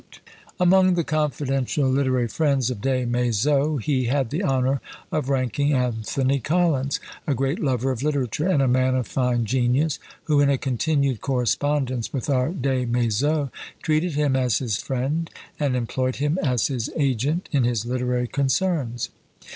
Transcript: Among the confidential literary friends of Des Maizeaux, he had the honour of ranking Anthony Collins, a great lover of literature, and a man of fine genius, and who, in a continued correspondence with our Des Maizeaux, treated him as his friend, and employed him as his agent in his literary concerns.